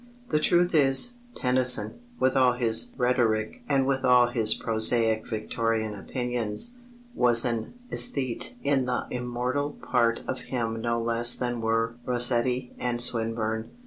The truth is, Tennyson, with all his rhetoric and with all his prosaic Victorian opinions, was an æsthete in the immortal part of him no less than were Rossetti and Swinburne.